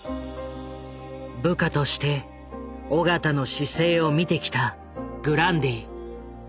部下として緒方の姿勢を見てきたグランディ。